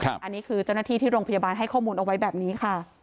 อันนี้คือเจ้าหน้าที่ที่โรงพยาบาลให้ข้อมูลเอาไว้แบบนี้ค่ะ